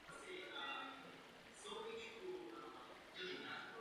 Jinak ale vede osamělý život.